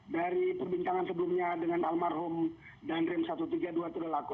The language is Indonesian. dari perbincangan sebelumnya dengan almarhum danrem satu ratus tiga puluh dua tudolako